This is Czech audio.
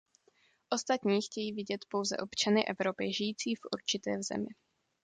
Ostatní chtějí vidět pouze občany Evropy žijící v určité zemi.